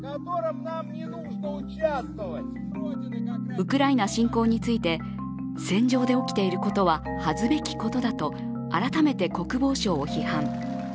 ウクライナ侵攻について戦場で起きていることは恥ずべきことだと改めて国防省を批判。